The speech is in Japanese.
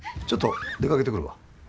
ちょっと出掛けてくるわ。